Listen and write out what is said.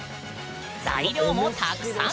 材料もたくさん！